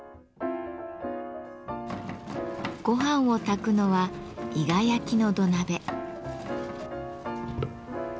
ごはんを炊くのは伊賀焼の土鍋。